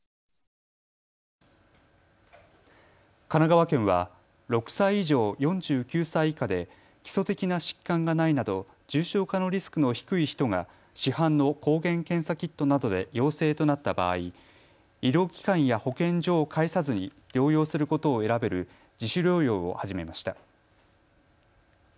神奈川県は６歳以上４９歳以下で基礎的な疾患がないなど重症化のリスクの低い人が市販の抗原検査キットなどで陽性となった場合、医療機関や保健所を介さずに療養することを選べる自主療養を始めました。